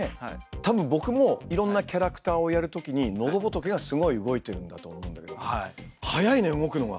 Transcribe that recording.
たぶん僕もいろんなキャラクターをやるときにのどぼとけがすごい動いてるんだと思うんだけど速いね動くのが！